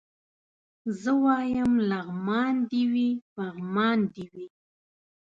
زه وايم لغمان دي وي پغمان دي وي